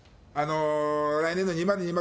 来年の２０２０